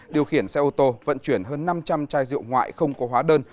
điều khiển xe ô tô vận chuyển hơn năm trăm linh chai rượu ngoại không có hóa đơn